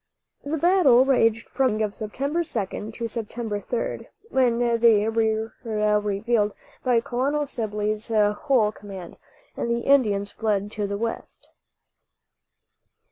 The battle raged from the morning of September 2d to September 3d, when they were relieved by Colonel Sibley's whole command, and the Indians fled to the west.